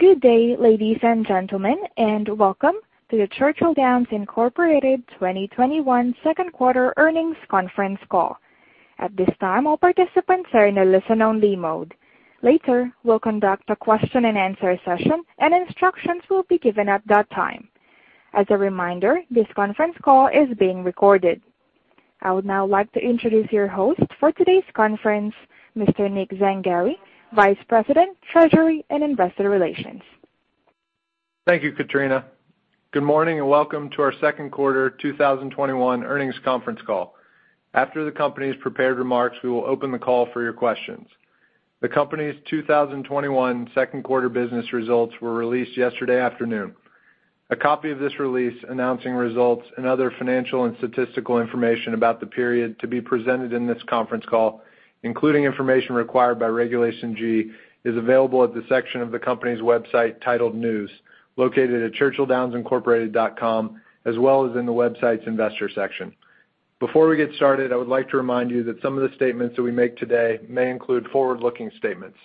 Good day, ladies and gentlemen, and welcome to the Churchill Downs Incorporated 2021 second quarter earnings conference call. At this time, all participants are in a listen-only mode. Later, we'll conduct a question and answer session, and instructions will be given at that time. As a reminder, this conference call is being recorded. I would now like to introduce your host for today's conference, Mr. Nick Zangari, Vice President, Treasury and Investor Relations. Thank you, Katrina. Good morning. Welcome to our second quarter 2021 earnings conference call. After the company's prepared remarks, we will open the call for your questions. The company's 2021 second quarter business results were released yesterday afternoon. A copy of this release announcing results and other financial and statistical information about the period to be presented in this conference call, including information required by Regulation G, is available at the section of the company's website titled News, located at churchilldownsincorporated.com, as well as in the website's investor section. Before we get started, I would like to remind you that some of the statements that we make today may include forward-looking statements.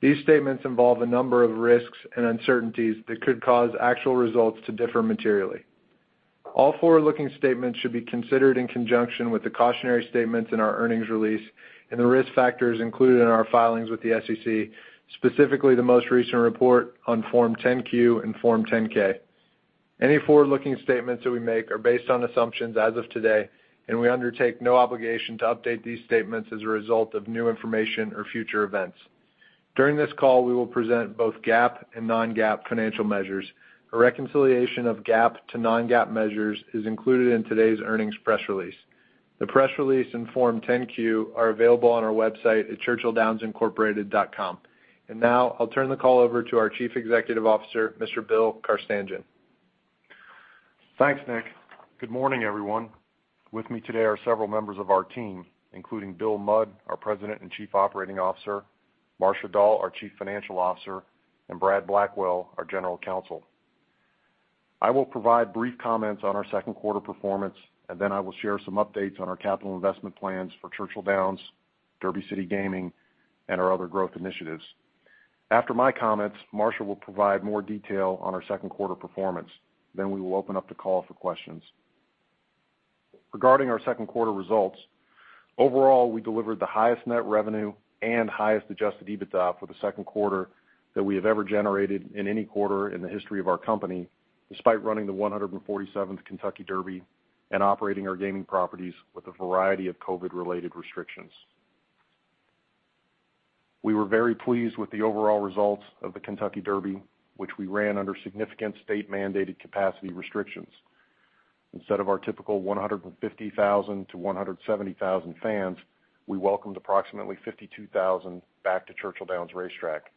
These statements involve a number of risks and uncertainties that could cause actual results to differ materially. All forward-looking statements should be considered in conjunction with the cautionary statements in our earnings release and the risk factors included in our filings with the SEC, specifically the most recent report on Form 10-Q and Form 10-K. Any forward-looking statements that we make are based on assumptions as of today, and we undertake no obligation to update these statements as a result of new information or future events. During this call, we will present both GAAP and non-GAAP financial measures. A reconciliation of GAAP to non-GAAP measures is included in today's earnings press release. The press release and Form 10-Q are available on our website at churchilldownsincorporated.com. Now I'll turn the call over to our Chief Executive Officer, Mr. Bill Carstanjen. Thanks, Nick. Good morning, everyone. With me today are several members of our team, including Bill Mudd, our President and Chief Operating Officer, Marcia Dall, our Chief Financial Officer, and Brad Blackwell, our General Counsel. I will provide brief comments on our second quarter performance. Then I will share some updates on our capital investment plans for Churchill Downs, Derby City Gaming, and our other growth initiatives. After my comments, Marcia will provide more detail on our second quarter performance. We will open up the call for questions. Regarding our second quarter results, overall, we delivered the highest net revenue and highest adjusted EBITDA for the second quarter that we have ever generated in any quarter in the history of our company, despite running the 147th Kentucky Derby and operating our gaming properties with a variety of COVID-19-related restrictions. We were very pleased with the overall results of the Kentucky Derby, which we ran under significant state-mandated capacity restrictions. Instead of our typical 150,000 fans-170,000 fans, we welcomed approximately 52,000 back to Churchill Downs Racetrack.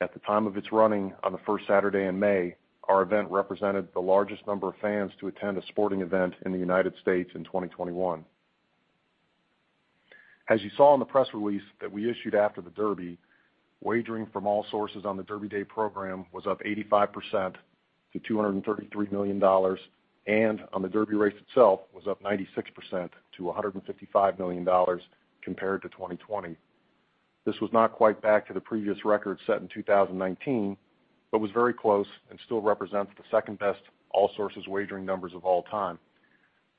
At the time of its running on the first Saturday in May, our event represented the largest number of fans to attend a sporting event in the U.S. in 2021. As you saw in the press release that we issued after the Derby, wagering from all sources on the Derby Day program was up 85% to $233 million, and on the Derby race itself was up 96% to $155 million compared to 2020. This was not quite back to the previous record set in 2019, but was very close and still represents the second-best all sources wagering numbers of all time.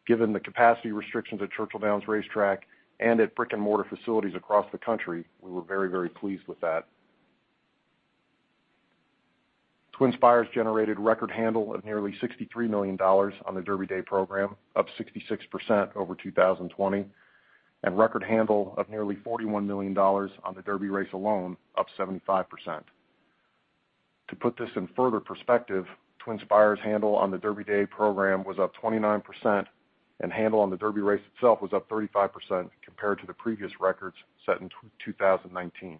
Given the capacity restrictions at Churchill Downs Racetrack and at brick-and-mortar facilities across the country, we were very, very pleased with that. TwinSpires generated record handle of nearly $63 million on the Derby Day program, up 66% over 2020, and record handle of nearly $41 million on the Derby race alone, up 75%. To put this in further perspective, TwinSpires handle on the Derby Day program was up 29%, and handle on the Derby race itself was up 35% compared to the previous records set in 2019.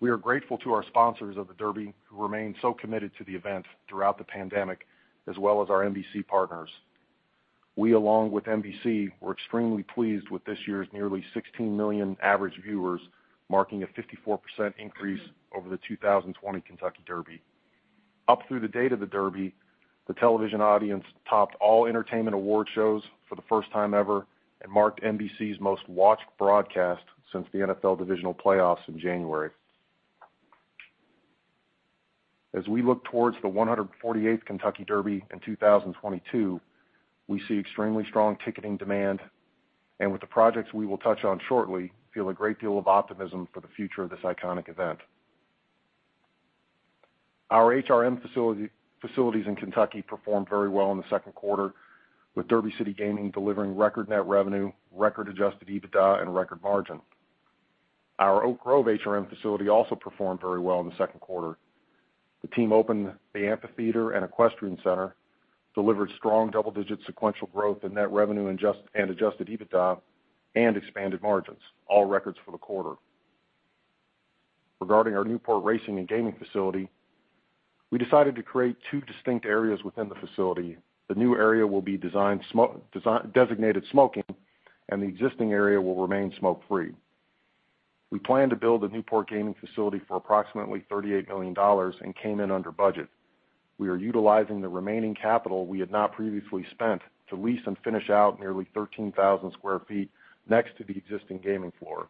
We are grateful to our sponsors of the Derby who remain so committed to the event throughout the pandemic, as well as our NBC partners. We, along with NBC, were extremely pleased with this year's nearly 16 million average viewers, marking a 54% increase over the 2020 Kentucky Derby. Up through the date of the Derby, the television audience topped all entertainment award shows for the first time ever and marked NBC's most-watched broadcast since the NFL Divisional playoffs in January. As we look towards the 148th Kentucky Derby in 2022, we see extremely strong ticketing demand, and with the projects we will touch on shortly, feel a great deal of optimism for the future of this iconic event. Our HRM facilities in Kentucky performed very well in the second quarter, with Derby City Gaming delivering record net revenue, record adjusted EBITDA, and record margin. Our Oak Grove HRM facility also performed very well in the second quarter. The team opened the Amphitheater and Equestrian Center, delivered strong double-digit sequential growth in net revenue and adjusted EBITDA, and expanded margins, all records for the quarter. Regarding our Newport racing and gaming facility, we decided to create two distinct areas within the facility. The new area will be designated smoking, and the existing area will remain smoke-free. We plan to build a Newport gaming facility for approximately $38 million and came in under budget. We are utilizing the remaining capital we had not previously spent to lease and finish out nearly 13,000 sq ft next to the existing gaming floor.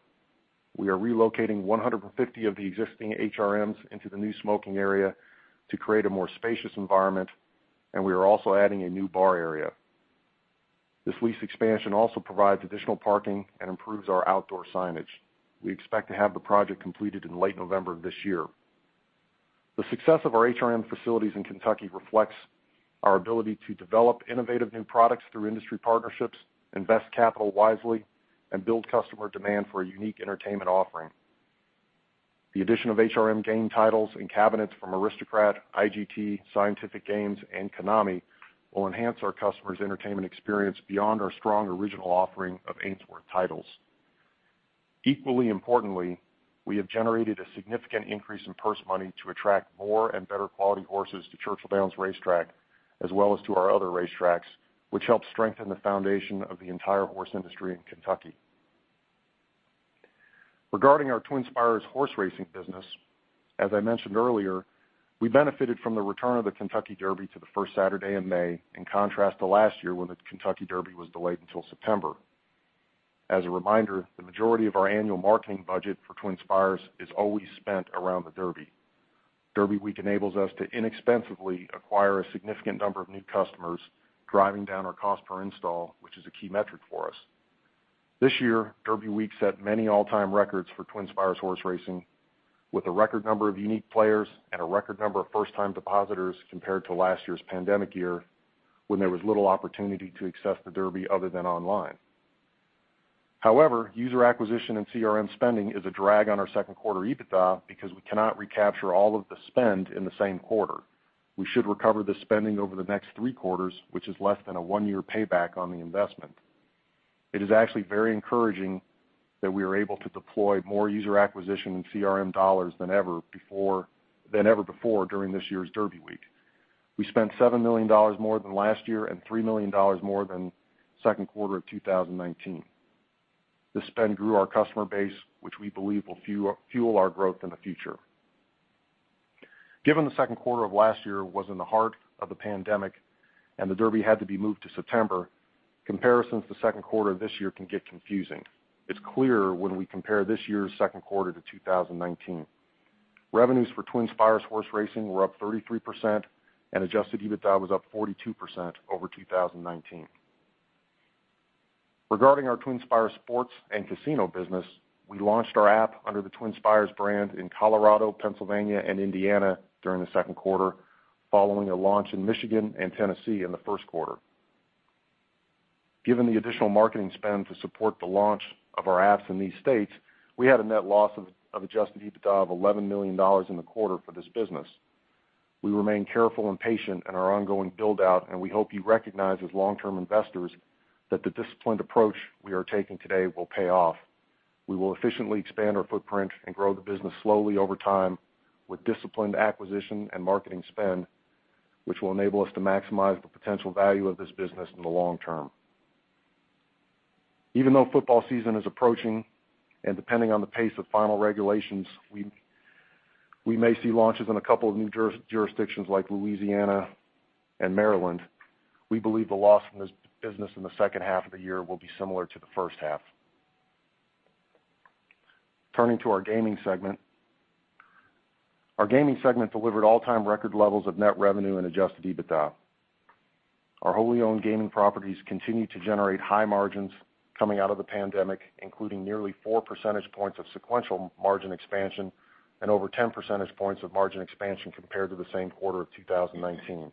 We are relocating 150 of the existing HRMs into the new smoking area to create a more spacious environment, and we are also adding a new bar area. This lease expansion also provides additional parking and improves our outdoor signage. We expect to have the project completed in late November of this year. The success of our HRM facilities in Kentucky reflects our ability to develop innovative new products through industry partnerships, invest capital wisely, and build customer demand for a unique entertainment offering. The addition of HRM game titles and cabinets from Aristocrat, IGT, Scientific Games, and Konami will enhance our customers' entertainment experience beyond our strong original offering of Ainsworth titles. Equally importantly, we have generated a significant increase in purse money to attract more and better quality horses to Churchill Downs Racetrack, as well as to our other racetracks, which help strengthen the foundation of the entire horse industry in Kentucky. Regarding our TwinSpires horse racing business, as I mentioned earlier, we benefited from the return of the Kentucky Derby to the first Saturday in May, in contrast to last year when the Kentucky Derby was delayed until September. As a reminder, the majority of our annual marketing budget for TwinSpires is always spent around the Derby. Derby week enables us to inexpensively acquire a significant number of new customers, driving down our Cost Per Install, which is a key metric for us. This year, Derby week set many all-time records for TwinSpires horse racing, with a record number of unique players and a record number of first-time depositors compared to last year's pandemic year, when there was little opportunity to access the Derby other than online. User acquisition and CRM spending is a drag on our second quarter EBITDA because we cannot recapture all of the spend in the same quarter. We should recover the spending over the next three quarters, which is less than a one-year payback on the investment. It is actually very encouraging that we are able to deploy more user acquisition and CRM dollars than ever before during this year's Derby week. We spent $7 million more than last year, $3 million more than second quarter of 2019. This spend grew our customer base, which we believe will fuel our growth in the future. Given the second quarter of last year was in the heart of the pandemic and the Derby had to be moved to September, comparisons to second quarter this year can get confusing. It's clearer when we compare this year's second quarter to 2019. Revenues for TwinSpires horse racing were up 33%, adjusted EBITDA was up 42% over 2019. Regarding our TwinSpires sports and casino business, we launched our app under the TwinSpires brand in Colorado, Pennsylvania, and Indiana during the second quarter, following a launch in Michigan and Tennessee in the first quarter. Given the additional marketing spend to support the launch of our apps in these states, we had a net loss of adjusted EBITDA of $11 million in the quarter for this business. We remain careful and patient in our ongoing build-out, and we hope you recognize as long-term investors that the disciplined approach we are taking today will pay off. We will efficiently expand our footprint and grow the business slowly over time with disciplined acquisition and marketing spend, which will enable us to maximize the potential value of this business in the long term. Even though football season is approaching, depending on the pace of final regulations, we may see launches in a couple of new jurisdictions like Louisiana and Maryland. We believe the loss in this business in the second half of the year will be similar to the first half. Turning to our gaming segment. Our gaming segment delivered all-time record levels of net revenue and adjusted EBITDA. Our wholly owned gaming properties continue to generate high margins coming out of the pandemic, including nearly four percentage points of sequential margin expansion and over 10 percentage points of margin expansion compared to the same quarter of 2019.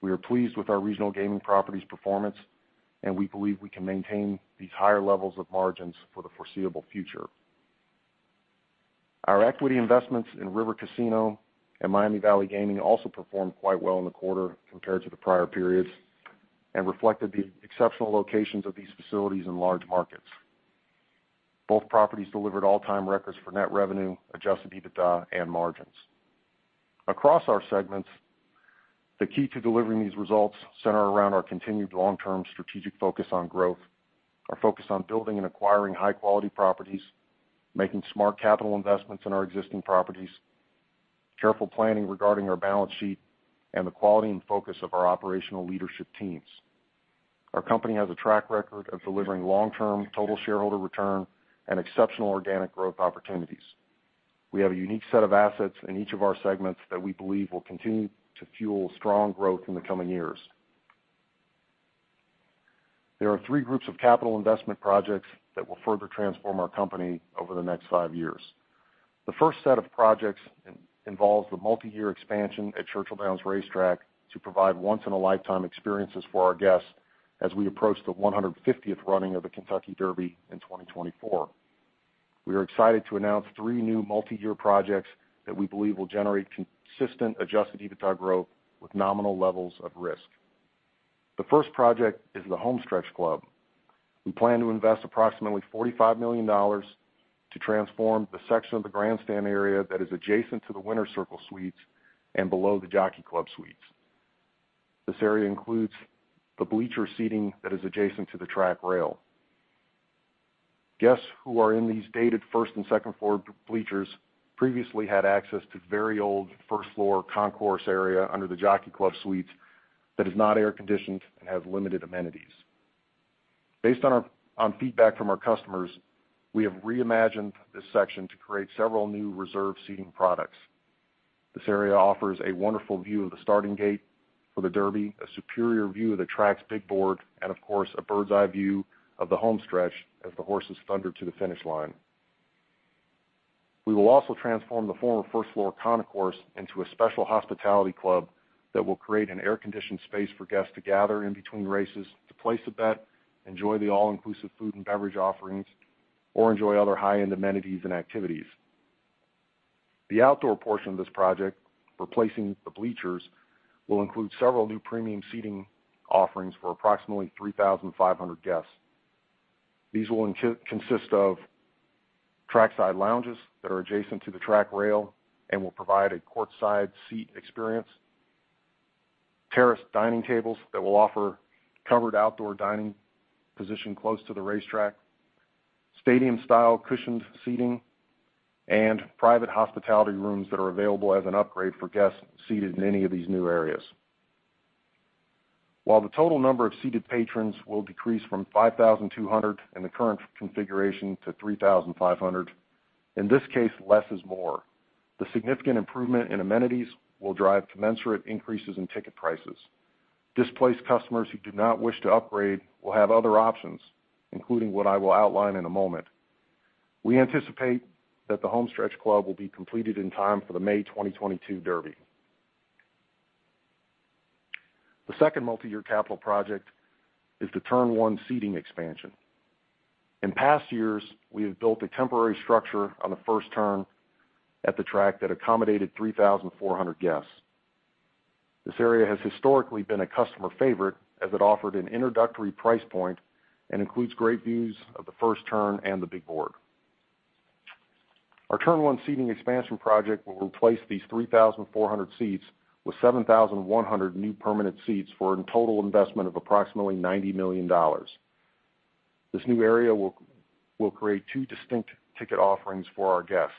We are pleased with our regional gaming properties' performance, and we believe we can maintain these higher levels of margins for the foreseeable future. Our equity investments in Rivers Casino and Miami Valley Gaming also performed quite well in the quarter compared to the prior periods and reflected the exceptional locations of these facilities in large markets. Both properties delivered all-time records for net revenue, adjusted EBITDA, and margins. Across our segments, the key to delivering these results center around our continued long-term strategic focus on growth, our focus on building and acquiring high-quality properties, making smart capital investments in our existing properties, careful planning regarding our balance sheet, and the quality and focus of our operational leadership teams. Our company has a track record of delivering long-term total shareholder return and exceptional organic growth opportunities. We have a unique set of assets in each of our segments that we believe will continue to fuel strong growth in the coming years. There are three groups of capital investment projects that will further transform our company over the next five years. The first set of projects involves the multi-year expansion at Churchill Downs Racetrack to provide once-in-a-lifetime experiences for our guests as we approach the 150th running of the Kentucky Derby in 2024. We are excited to announce three new multi-year projects that we believe will generate consistent adjusted EBITDA growth with nominal levels of risk. The first project is the Homestretch Club. We plan to invest approximately $45 million to transform the section of the grandstand area that is adjacent to the Winner's Circle Suites and below the Jockey Club Suites. This area includes the bleacher seating that is adjacent to the track rail. Guests who are in these dated first and second-floor bleachers previously had access to very old first-floor concourse area under the Jockey Club Suites that is not air-conditioned and has limited amenities. Based on feedback from our customers, we have reimagined this section to create several new reserved seating products. This area offers a wonderful view of the starting gate for the Derby, a superior view of the track's big board, and of course, a bird's-eye view of the home stretch as the horses thunder to the finish line. We will also transform the former first-floor concourse into a special hospitality club that will create an air-conditioned space for guests to gather in between races to place a bet, enjoy the all-inclusive food and beverage offerings, or enjoy other high-end amenities and activities. The outdoor portion of this project, replacing the bleachers, will include several new premium seating offerings for approximately 3,500 guests. These will consist of track-side lounges that are adjacent to the track rail and will provide a courtside seat experience, terraced dining tables that will offer covered outdoor dining positioned close to the racetrack, stadium-style cushioned seating, and private hospitality rooms that are available as an upgrade for guests seated in any of these new areas. While the total number of seated patrons will decrease from 5,200 in the current configuration to 3,500, in this case, less is more. The significant improvement in amenities will drive commensurate increases in ticket prices. Displaced customers who do not wish to upgrade will have other options, including what I will outline in a moment. We anticipate that the Homestretch Club will be completed in time for the May 2022 Derby. The second multi-year capital project is the Turn 1 seating expansion. In past years, we have built a temporary structure on the first turn at the track that accommodated 3,400 guests. This area has historically been a customer favorite, as it offered an introductory price point and includes great views of the first turn and the big board. Our Turn 1 seating expansion project will replace these 3,400 seats with 7,100 new permanent seats for a total investment of approximately $90 million. This new area will create two distinct ticket offerings for our guests.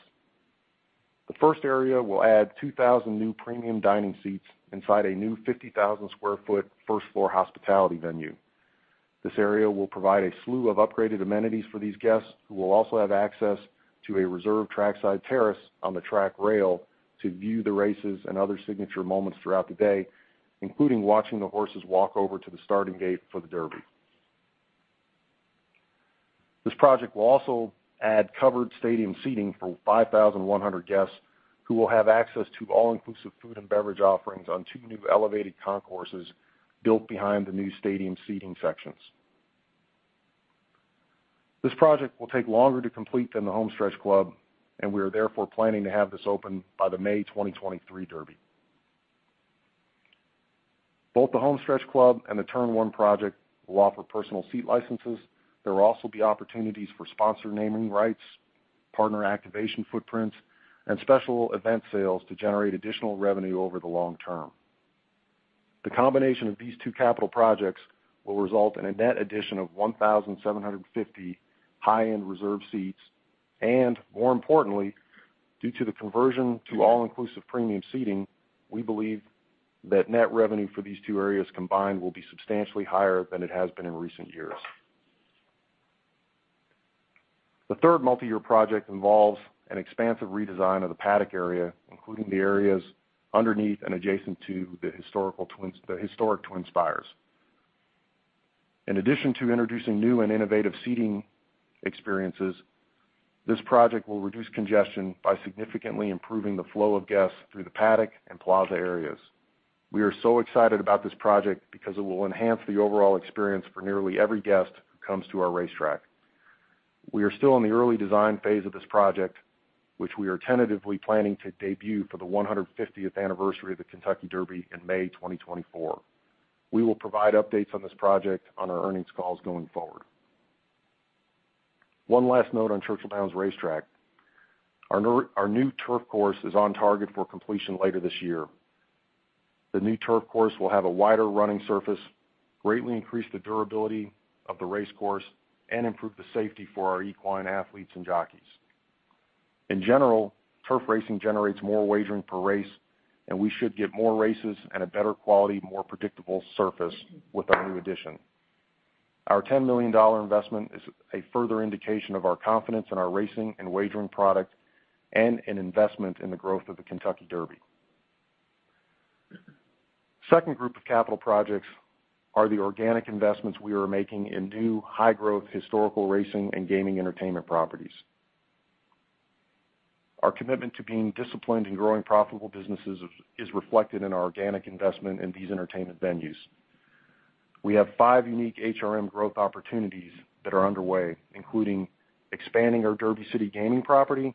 The first area will add 2,000 new premium dining seats inside a new 50,000 sq ft first-floor hospitality venue. This area will provide a slew of upgraded amenities for these guests, who will also have access to a reserved track-side terrace on the track rail to view the races and other signature moments throughout the day, including watching the horses walk over to the starting gate for the Derby. This project will also add covered stadium seating for 5,100 guests who will have access to all-inclusive food and beverage offerings on two new elevated concourses built behind the new stadium seating sections. This project will take longer to complete than the Homestretch Club, and we are therefore planning to have this open by the May 2023 Derby. Both the Homestretch Club and the Turn 1 project will offer personal seat licenses. There will also be opportunities for sponsor naming rights, partner activation footprints, and special event sales to generate additional revenue over the long term. The combination of these two capital projects will result in a net addition of 1,750 high-end reserve seats, and more importantly, due to the conversion to all-inclusive premium seating, we believe that net revenue for these two areas combined will be substantially higher than it has been in recent years. The third multi-year project involves an expansive redesign of the Paddock area, including the areas underneath and adjacent to the historic TwinSpires. In addition to introducing new and innovative seating experiences, this project will reduce congestion by significantly improving the flow of guests through the Paddock and plaza areas. We are so excited about this project because it will enhance the overall experience for nearly every guest who comes to our racetrack. We are still in the early design phase of this project, which we are tentatively planning to debut for the 150th anniversary of the Kentucky Derby in May 2024. We will provide updates on this project on our earnings calls going forward. One last note on Churchill Downs Racetrack. Our new turf course is on target for completion later this year. The new turf course will have a wider running surface, greatly increase the durability of the racecourse, and improve the safety for our equine athletes and jockeys. In general, turf racing generates more wagering per race, and we should get more races and a better quality, more predictable surface with our new addition. Our $10 million investment is a further indication of our confidence in our racing and wagering product and an investment in the growth of the Kentucky Derby. Second group of capital projects are the organic investments we are making in new high-growth historical racing and gaming entertainment properties. Our commitment to being disciplined and growing profitable businesses is reflected in our organic investment in these entertainment venues. We have five unique HRM growth opportunities that are underway, including expanding our Derby City Gaming property,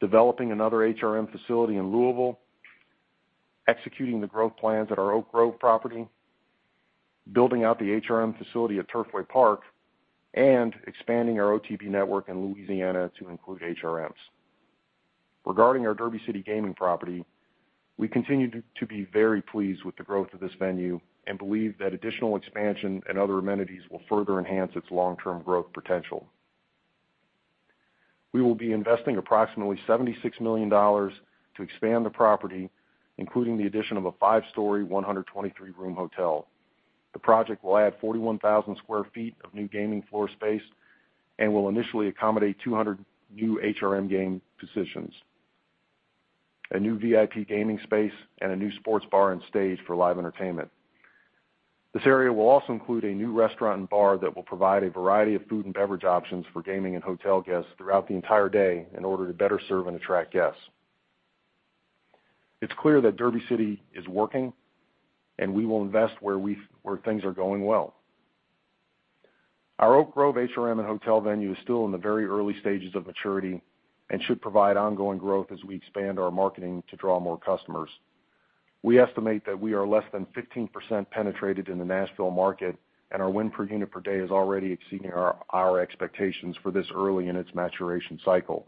developing another HRM facility in Louisville, executing the growth plans at our Oak Grove property, building out the HRM facility at Turfway Park and expanding our OTB network in Louisiana to include HRMs. Regarding our Derby City Gaming property, we continue to be very pleased with the growth of this venue and believe that additional expansion and other amenities will further enhance its long-term growth potential. We will be investing approximately $76 million to expand the property, including the addition of a five-story, 123-room hotel. The project will add 41,000 sq ft of new gaming floor space and will initially accommodate 200 new HRM game positions, a new VIP gaming space, and a new sports bar and stage for live entertainment. This area will also include a new restaurant and bar that will provide a variety of food and beverage options for gaming and hotel guests throughout the entire day in order to better serve and attract guests. It's clear that Derby City is working, and we will invest where things are going well. Our Oak Grove HRM and hotel venue is still in the very early stages of maturity and should provide ongoing growth as we expand our marketing to draw more customers. We estimate that we are less than 15% penetrated in the Nashville market, and our Win Per Unit Per Day is already exceeding our expectations for this early in its maturation cycle.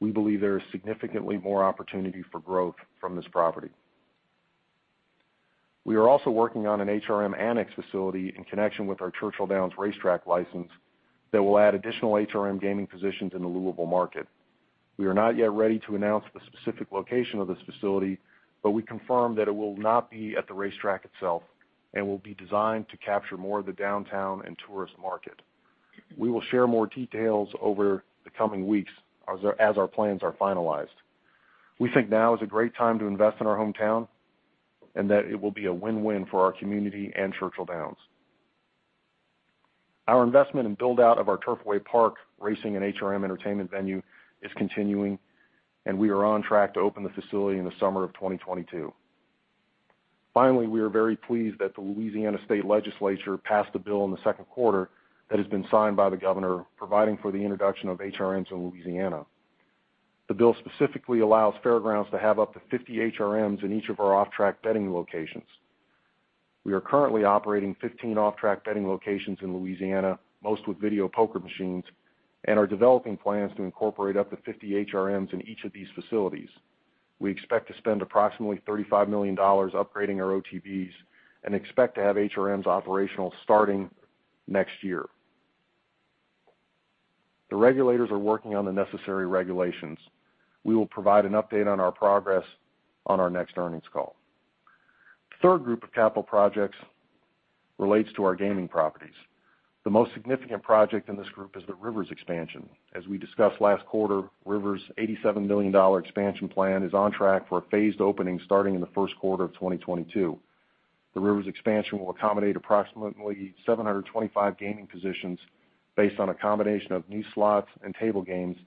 We believe there is significantly more opportunity for growth from this property. We are also working on an HRM annex facility in connection with our Churchill Downs racetrack license that will add additional HRM gaming positions in the Louisville market. We are not yet ready to announce the specific location of this facility, but we confirm that it will not be at the racetrack itself and will be designed to capture more of the downtown and tourist market. We will share more details over the coming weeks as our plans are finalized. We think now is a great time to invest in our hometown, and that it will be a win-win for our community and Churchill Downs. Our investment and build-out of our Turfway Park racing and HRM entertainment venue is continuing, and we are on track to open the facility in the summer of 2022. Finally, we are very pleased that the Louisiana State Legislature passed a bill in the second quarter that has been signed by the governor, providing for the introduction of HRMs in Louisiana. The bill specifically allows fairgrounds to have up to 50 HRMs in each of our off-track betting locations. We are currently operating 15 off-track betting locations in Louisiana, most with video poker machines, and are developing plans to incorporate up to 50 HRMs in each of these facilities. We expect to spend approximately $35 million upgrading our OTBs and expect to have HRMs operational starting next year. The regulators are working on the necessary regulations. We will provide an update on our progress on our next earnings call. The third group of capital projects relates to our gaming properties. The most significant project in this group is the Rivers expansion. As we discussed last quarter, Rivers' $87 million expansion plan is on track for a phased opening starting in the first quarter of 2022. The Rivers expansion will accommodate approximately 725 gaming positions based on a combination of new slots and table games,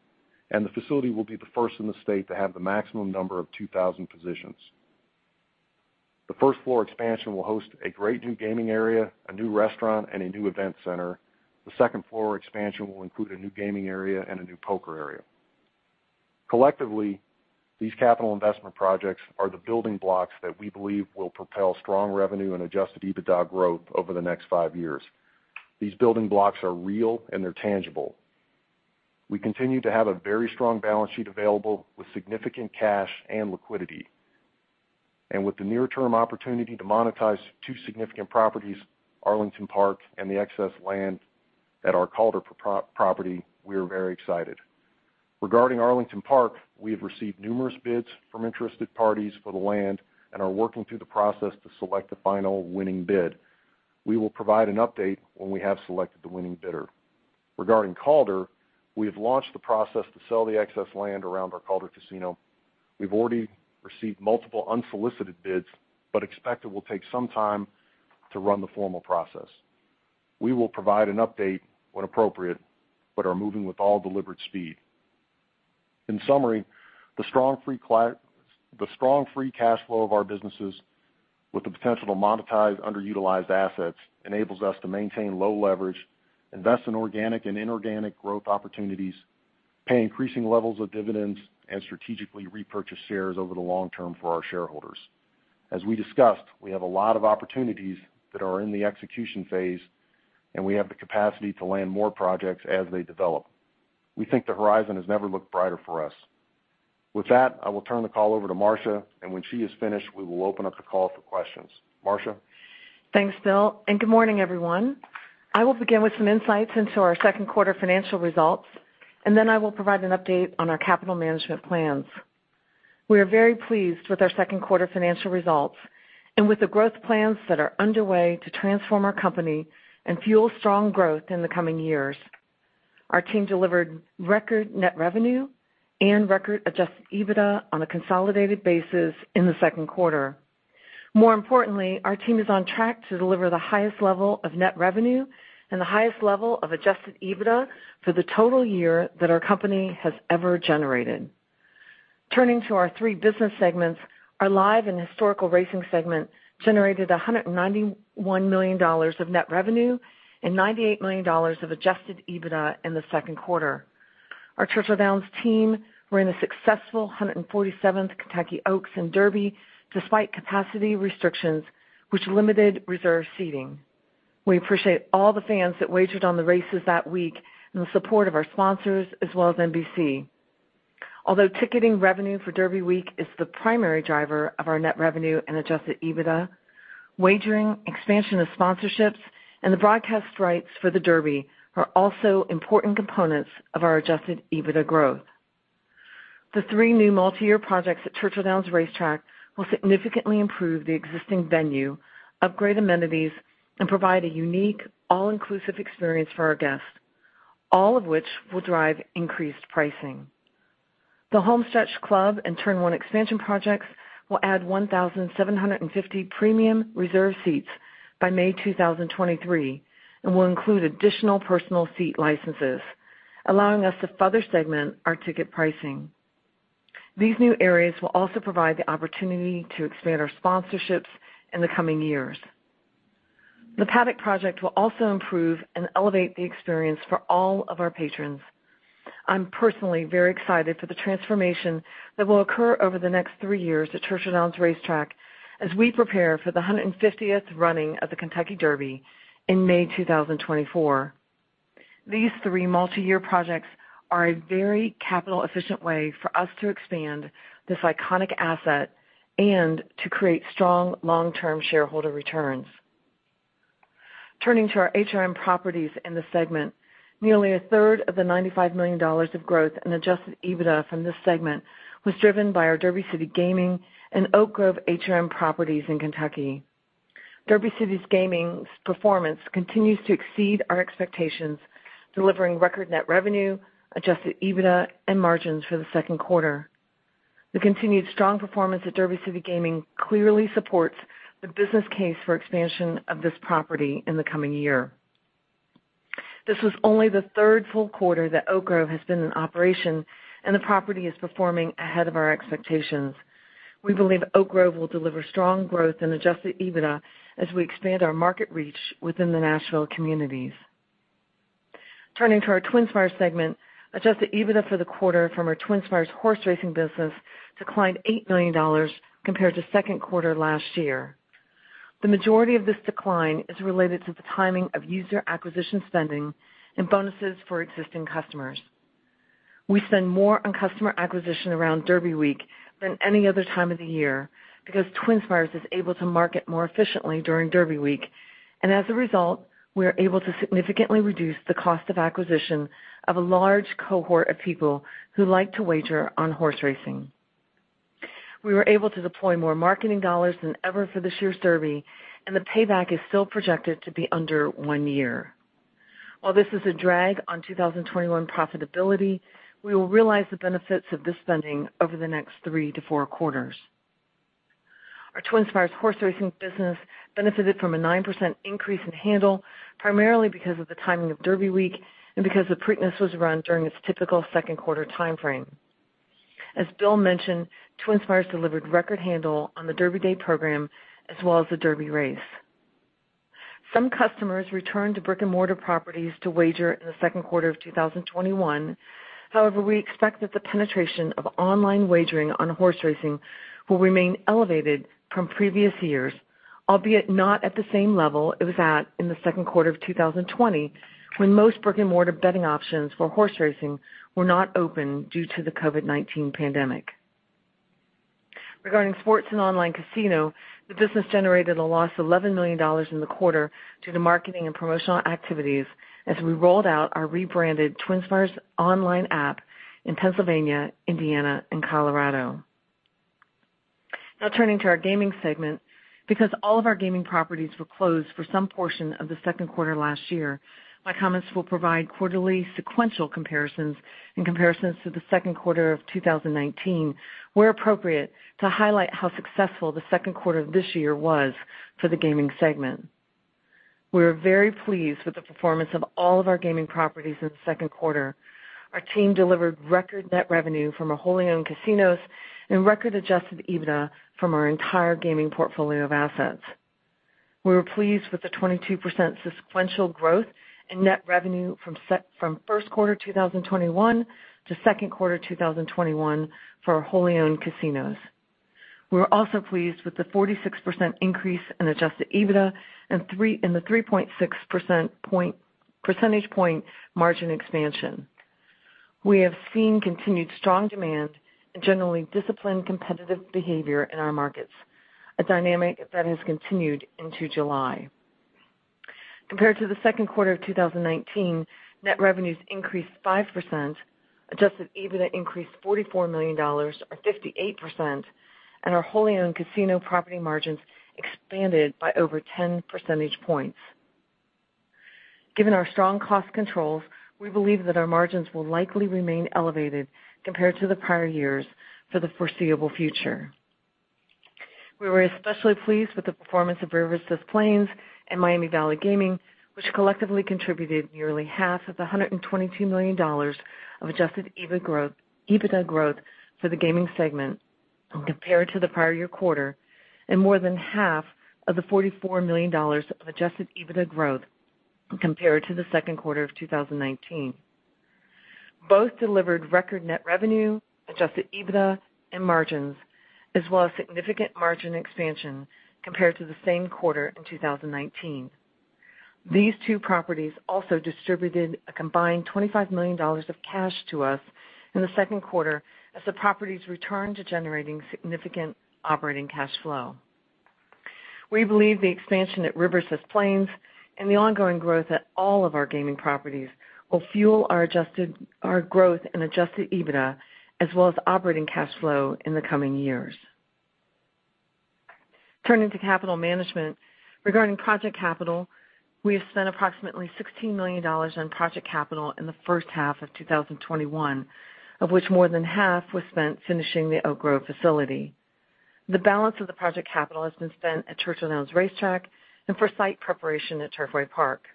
and the facility will be the first in the state to have the maximum number of 2,000 positions. The first-floor expansion will host a great new gaming area, a new restaurant, and a new event center. The second-floor expansion will include a new gaming area and a new poker area. Collectively, these capital investment projects are the building blocks that we believe will propel strong revenue and adjusted EBITDA growth over the next five years. These building blocks are real, and they're tangible. We continue to have a very strong balance sheet available with significant cash and liquidity. With the near-term opportunity to monetize two significant properties, Arlington Park and the excess land at our Calder property, we are very excited. Regarding Arlington Park, we have received numerous bids from interested parties for the land and are working through the process to select the final winning bid. We will provide an update when we have selected the winning bidder. Regarding Calder, we have launched the process to sell the excess land around our Calder Casino. We've already received multiple unsolicited bids but expect it will take some time to run the formal process. We will provide an update when appropriate but are moving with all deliberate speed. In summary, the strong free cash flow of our businesses, with the potential to monetize underutilized assets, enables us to maintain low leverage, invest in organic and inorganic growth opportunities, pay increasing levels of dividends, and strategically repurchase shares over the long term for our shareholders. As we discussed, we have a lot of opportunities that are in the execution phase, and we have the capacity to land more projects as they develop. We think the horizon has never looked brighter for us. With that, I will turn the call over to Marcia, and when she is finished, we will open up the call for questions. Marcia? Thanks, Bill, and good morning, everyone. I will begin with some insights into our second quarter financial results, and then I will provide an update on our capital management plans. We are very pleased with our second quarter financial results and with the growth plans that are underway to transform our company and fuel strong growth in the coming years. Our team delivered record net revenue and record adjusted EBITDA on a consolidated basis in the second quarter. More importantly, our team is on track to deliver the highest level of net revenue and the highest level of adjusted EBITDA for the total year that our company has ever generated. Turning to our three business segments, our live and historical racing segment generated $191 million of net revenue and $98 million of adjusted EBITDA in the second quarter. Our Churchill Downs team ran a successful 147th Kentucky Oaks and Derby despite capacity restrictions which limited reserved seating. We appreciate all the fans that wagered on the races that week, and the support of our sponsors as well as NBC. Although ticketing revenue for Derby week is the primary driver of our net revenue and adjusted EBITDA, wagering, expansion of sponsorships, and the broadcast rights for the Derby are also important components of our adjusted EBITDA growth. The three new multi-year projects at Churchill Downs racetrack will significantly improve the existing venue, upgrade amenities, and provide a unique, all-inclusive experience for our guests, all of which will drive increased pricing. The Homestretch Club and Turn 1 expansion projects will add 1,750 premium reserve seats by May 2023 and will include additional personal seat licenses, allowing us to further segment our ticket pricing. These new areas will also provide the opportunity to expand our sponsorships in the coming years. The Paddock project will also improve and elevate the experience for all of our patrons. I'm personally very excited for the transformation that will occur over the next three years at Churchill Downs Racetrack as we prepare for the 150th running of the Kentucky Derby in May 2024. These three multi-year projects are a very capital-efficient way for us to expand this iconic asset and to create strong long-term shareholder returns. Turning to our HRM properties in the segment. Nearly a third of the $95 million of growth and adjusted EBITDA from this segment was driven by our Derby City Gaming and Oak Grove HRM properties in Kentucky. Derby City Gaming's performance continues to exceed our expectations, delivering record net revenue, adjusted EBITDA, and margins for the second quarter. The continued strong performance at Derby City Gaming clearly supports the business case for expansion of this property in the coming year. This was only the third full quarter that Oak Grove has been in operation, and the property is performing ahead of our expectations. We believe Oak Grove will deliver strong growth and adjusted EBITDA as we expand our market reach within the Nashville communities. Turning to our TwinSpires segment, adjusted EBITDA for the quarter from our TwinSpires horse racing business declined $8 million compared to second quarter last year. The majority of this decline is related to the timing of user acquisition spending and bonuses for existing customers. We spend more on customer acquisition around Derby Week than any other time of the year because TwinSpires is able to market more efficiently during Derby Week, and as a result, we are able to significantly reduce the cost of acquisition of a large cohort of people who like to wager on horse racing. We were able to deploy more marketing dollars than ever for this year's Derby, and the payback is still projected to be under one year. While this is a drag on 2021 profitability, we will realize the benefits of this spending over the next three to four quarters. Our TwinSpires horse racing business benefited from a 9% increase in handle, primarily because of the timing of Derby week and because the Preakness was run during its typical second quarter timeframe. As Bill mentioned, TwinSpires delivered record handle on the Derby day program as well as the Derby race. Some customers returned to brick-and-mortar properties to wager in the second quarter of 2021. However, we expect that the penetration of online wagering on horse racing will remain elevated from previous years, albeit not at the same level it was at in the second quarter of 2020, when most brick-and-mortar betting options for horse racing were not open due to the COVID-19 pandemic. Regarding sports and online casino, the business generated a loss of $11 million in the quarter due to marketing and promotional activities as we rolled out our rebranded TwinSpires online app in Pennsylvania, Indiana, and Colorado. Now turning to our gaming segment. Because all of our gaming properties were closed for some portion of the second quarter last year, my comments will provide quarterly sequential comparisons and comparisons to the second quarter of 2019 where appropriate to highlight how successful the second quarter of this year was for the gaming segment. We are very pleased with the performance of all of our gaming properties in the second quarter. Our team delivered record net revenue from our wholly-owned casinos and record adjusted EBITDA from our entire gaming portfolio of assets. We were pleased with the 22% sequential growth in net revenue from first quarter 2021 to second quarter 2021 for our wholly-owned casinos. We are also pleased with the 46% increase in adjusted EBITDA and the 3.6 percentage point margin expansion. We have seen continued strong demand and generally disciplined competitive behavior in our markets, a dynamic that has continued into July. Compared to the second quarter of 2019, net revenues increased 5%, adjusted EBITDA increased $44 million or 58%, and our wholly-owned casino property margins expanded by over 10 percentage points. Given our strong cost controls, we believe that our margins will likely remain elevated compared to the prior years for the foreseeable future. We were especially pleased with the performance of Rivers Des Plaines and Miami Valley Gaming, which collectively contributed nearly half of the $122 million of adjusted EBITDA growth for the gaming segment, compared to the prior year quarter, and more than half of the $44 million of adjusted EBITDA growth compared to the second quarter of 2019. Both delivered record net revenue, adjusted EBITDA, and margins, as well as significant margin expansion compared to the same quarter in 2019. These two properties also distributed a combined $25 million of cash to us in the second quarter as the properties returned to generating significant operating cash flow. We believe the expansion at Rivers Des Plaines and the ongoing growth at all of our gaming properties will fuel our growth and adjusted EBITDA as well as operating cash flow in the coming years. Turning to capital management. Regarding project capital, we have spent approximately $16 million on project capital in the first half of 2021, of which more than half was spent finishing the Oak Grove facility. The balance of the project capital has been spent at Churchill Downs Racetrack and for site preparation at Turfway Park.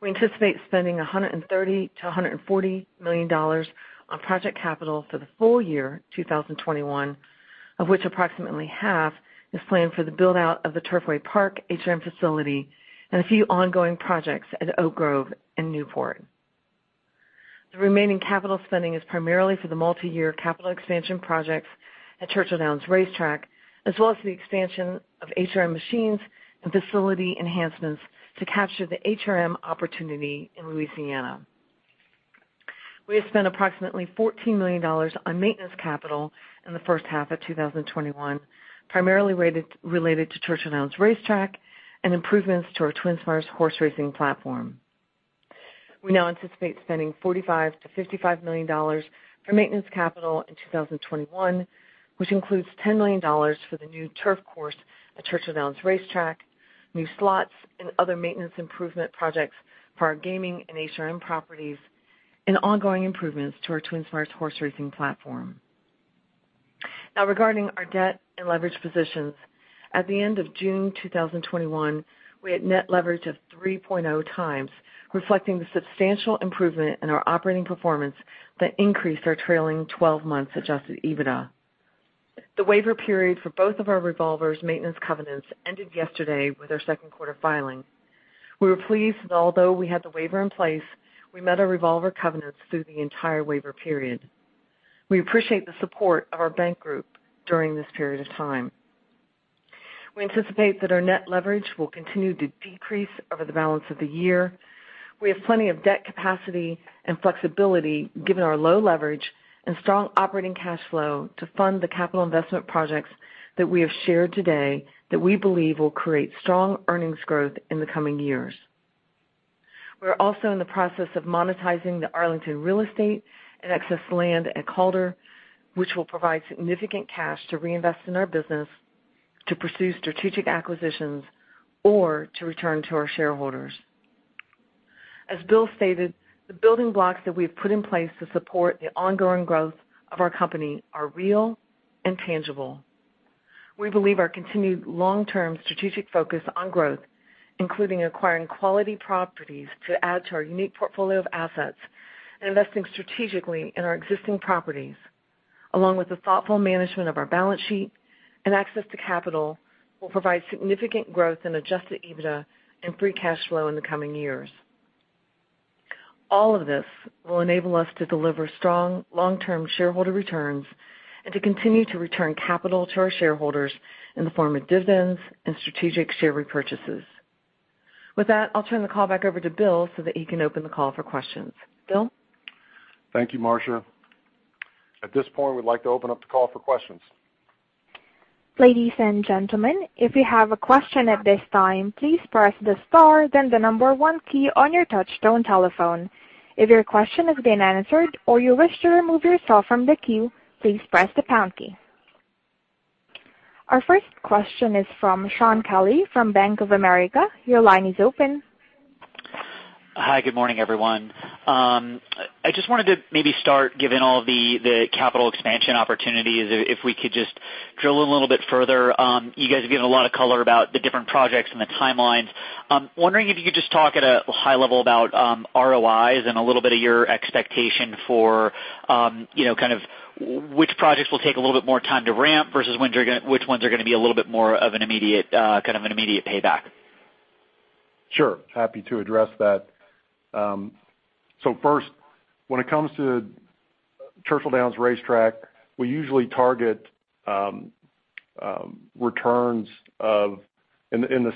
We anticipate spending $130 -140 million on project capital for the Full Year 2021, of which approximately half is planned for the build-out of the Turfway Park HRM facility and a few ongoing projects at Oak Grove and Newport. The remaining capital spending is primarily for the multi-year capital expansion projects at Churchill Downs Racetrack, as well as the expansion of HRM machines and facility enhancements to capture the HRM opportunity in Louisiana. We have spent approximately $14 million on maintenance capital in the first half of 2021, primarily related to Churchill Downs Racetrack and improvements to our TwinSpires horse racing platform. We now anticipate spending $45 - 55 million for maintenance capital in 2021, which includes $10 million for the new turf course at Churchill Downs Racetrack, new slots and other maintenance improvement projects for our gaming and HRM properties, and ongoing improvements to our TwinSpires horse racing platform. Regarding our debt and leverage positions. At the end of June 2021, we had net leverage of 3.0x, reflecting the substantial improvement in our operating performance that increased our trailing 12 months adjusted EBITDA. The waiver period for both of our revolvers maintenance covenants ended yesterday with our second quarter filing. We were pleased that although we had the waiver in place, we met our revolver covenants through the entire waiver period. We appreciate the support of our bank group during this period of time. We anticipate that our net leverage will continue to decrease over the balance of the year. We have plenty of debt capacity and flexibility given our low leverage and strong operating cash flow to fund the capital investment projects that we have shared today that we believe will create strong earnings growth in the coming years. We are also in the process of monetizing the Arlington real estate and excess land at Calder, which will provide significant cash to reinvest in our business, to pursue strategic acquisitions or to return to our shareholders. As Bill stated, the building blocks that we've put in place to support the ongoing growth of our company are real and tangible. We believe our continued long-term strategic focus on growth, including acquiring quality properties to add to our unique portfolio of assets and investing strategically in our existing properties, along with the thoughtful management of our balance sheet and access to capital, will provide significant growth in adjusted EBITDA and free cash flow in the coming years. All of this will enable us to deliver strong long-term shareholder returns and to continue to return capital to our shareholders in the form of dividends and strategic share repurchases. With that, I'll turn the call back over to Bill so that he can open the call for questions. Bill? Thank you, Marcia. At this point, we'd like to open up the call for questions. Ladies and gentlemen if you have a question at this time please press and the number one key on your touchtone telephone .If you question has been answered or you wish to remove yourself from the queue, please press the pound key. Our first question is from Shaun Kelley from Bank of America. Your line is open. Hi. Good morning, everyone. I just wanted to maybe start giving all the capital expansion opportunities, if we could just drill in a little bit further. You guys have given a lot of color about the different projects and the timelines. I'm wondering if you could just talk at a high level about ROIs and a little bit of your expectation for kind of which projects will take a little bit more time to ramp versus which ones are going to be a little bit more of an immediate payback. Sure. Happy to address that. First, when it comes to Churchill Downs Racetrack, we usually target returns in the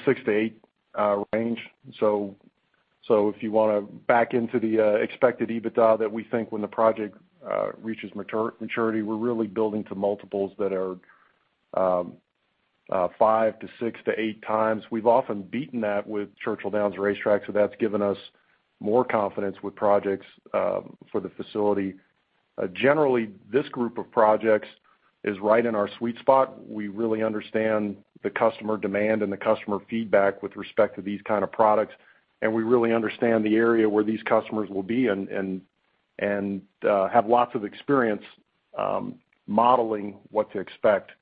6%-8% range. If you want to back into the expected EBITDA that we think when the project reaches maturity, we're really building to multiples that are 5x to 6x to 8x. We've often beaten that with Churchill Downs Racetrack, so that's given us more confidence with projects for the facility. Generally, this group of projects is right in our sweet spot. We really understand the customer demand and the customer feedback with respect to these kind of products, and we really understand the area where these customers will be and have lots of experience modeling what to expect.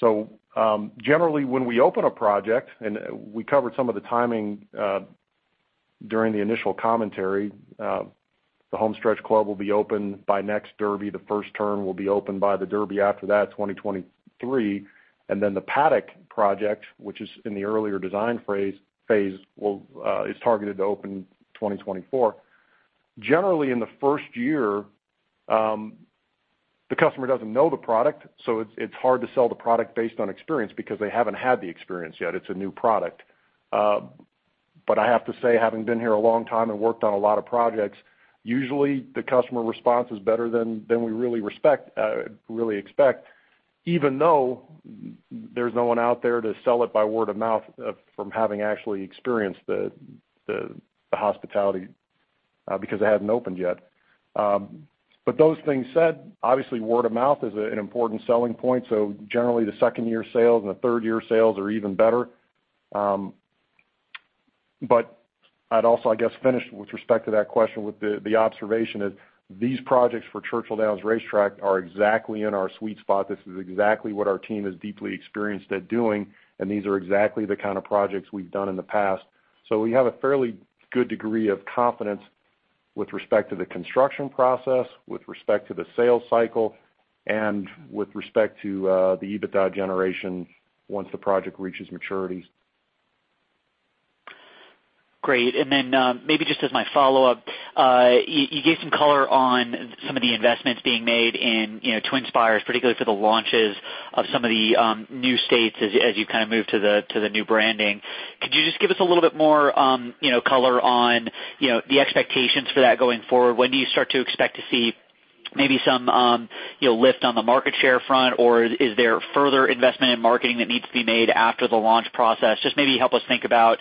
Generally, when we open a project, and we covered some of the timing. During the initial commentary, the Homestretch Club will be open by next Derby. The first term will be open by the Derby after that, 2023. The Paddock project, which is in the earlier design phase, is targeted to open 2024. Generally, in the first year, the customer doesn't know the product, so it's hard to sell the product based on experience because they haven't had the experience yet. It's a new product. I have to say, having been here a long time and worked on a lot of projects, usually the customer response is better than we really expect, even though there's no one out there to sell it by word of mouth from having actually experienced the hospitality because it hasn't opened yet. Those things said, obviously, word of mouth is an important selling point, so generally the second-year sales and the third-year sales are even better. I'd also, I guess, finish with respect to that question with the observation that these projects for Churchill Downs Racetrack are exactly in our sweet spot. This is exactly what our team is deeply experienced at doing, and these are exactly the kind of projects we've done in the past. We have a fairly good degree of confidence with respect to the construction process, with respect to the sales cycle, and with respect to the EBITDA generation once the project reaches maturity. Great. Maybe just as my follow-up, you gave some color on some of the investments being made in TwinSpires, particularly for the launches of some of the new states as you move to the new branding. Could you just give us a little bit more color on the expectations for that going forward? When do you start to expect to see maybe some lift on the market share front? Is there further investment in marketing that needs to be made after the launch process? Just maybe help us think about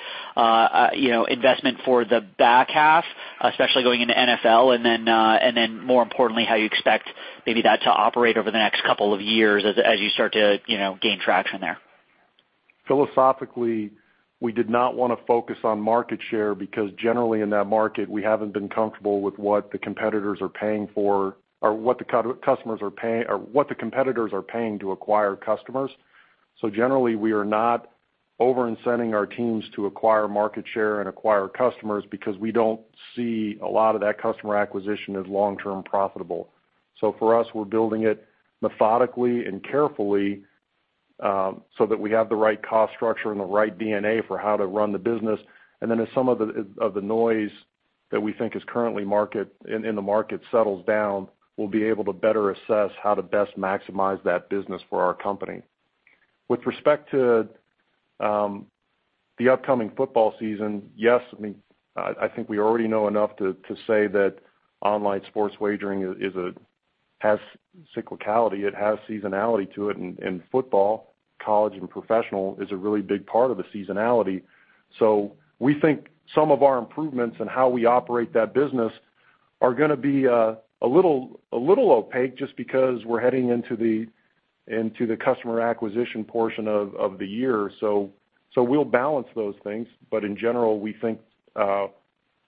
investment for the back half, especially going into NFL, and then more importantly, how you expect maybe that to operate over the next two years as you start to gain traction there. Philosophically, we did not want to focus on market share because generally in that market, we haven't been comfortable with what the competitors are paying to acquire customers. Generally, we are not over-incenting our teams to acquire market share and acquire customers because we don't see a lot of that customer acquisition as long-term profitable. For us, we're building it methodically and carefully so that we have the right cost structure and the right DNA for how to run the business. Then as some of the noise that we think is currently in the market settles down, we'll be able to better assess how to best maximize that business for our company. With respect to the upcoming football season, yes, I think we already know enough to say that online sports wagering has cyclicality. It has seasonality to it, and football, college and professional, is a really big part of the seasonality. We think some of our improvements in how we operate that business are going to be a little opaque just because we're heading into the customer acquisition portion of the year. We'll balance those things. In general, we think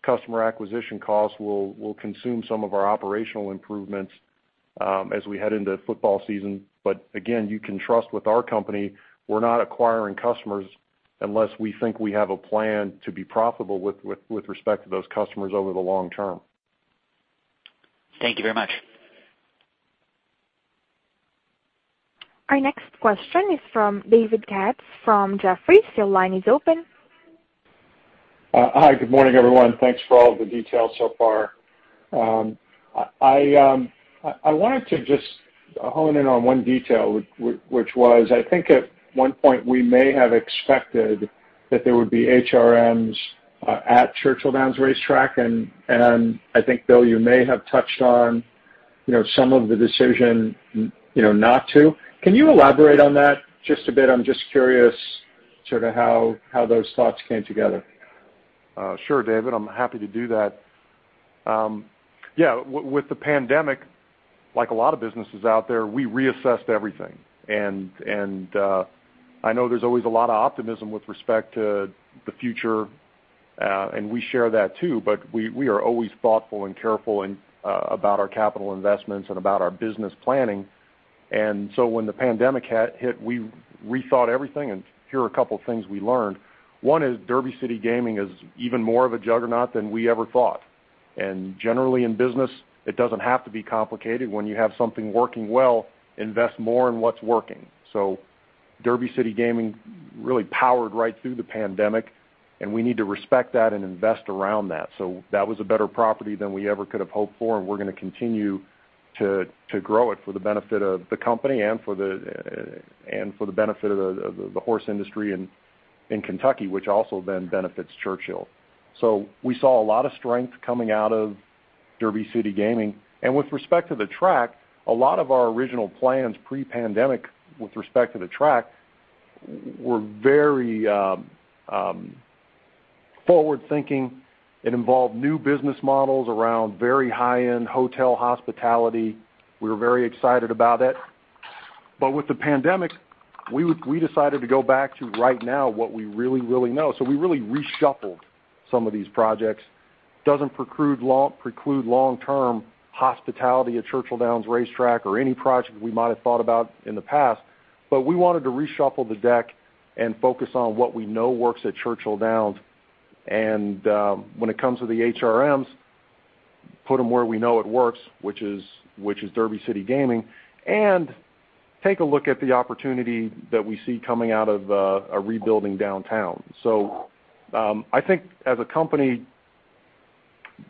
customer acquisition costs will consume some of our operational improvements as we head into football season. Again, you can trust with our company, we're not acquiring customers unless we think we have a plan to be profitable with respect to those customers over the long term. Thank you very much. Our next question is from David Katz from Jefferies. Your line is open. Hi. Good morning, everyone. Thanks for all the details so far. I wanted to just hone in on one detail, which was, I think at one point we may have expected that there would be HRMs at Churchill Downs Racetrack. I think, Bill, you may have touched on some of the decision not to. Can you elaborate on that just a bit? I'm just curious sort of how those thoughts came together. Sure, David. I'm happy to do that. With the pandemic, like a lot of businesses out there, we reassessed everything. I know there's always a lot of optimism with respect to the future, and we share that too, but we are always thoughtful and careful about our capital investments and about our business planning. When the pandemic hit, we rethought everything, and here are a couple of things we learned. One of them is Derby City Gaming is even more of a juggernaut than we ever thought. Generally in business, it doesn't have to be complicated. When you have something working well, invest more in what's working. Derby City Gaming really powered right through the pandemic, and we need to respect that and invest around that. That was a better property than we ever could have hoped for, and we're going to continue to grow it for the benefit of the company and for the benefit of the horse industry in Kentucky, which also then benefits Churchill. We saw a lot of strength coming out of Derby City Gaming. With respect to the track, a lot of our original plans pre-pandemic with respect to the track were very forward-thinking. It involved new business models around very high-end hotel hospitality. We were very excited about it. With the pandemic, we decided to go back to right now what we really, really know. We really reshuffled some of these projects. It doesn't preclude long-term hospitality at Churchill Downs Racetrack or any project we might have thought about in the past. We wanted to reshuffle the deck and focus on what we know works at Churchill Downs. When it comes to the HRMs, put them where we know it works, which is Derby City Gaming, and take a look at the opportunity that we see coming out of rebuilding downtown. I think as a company,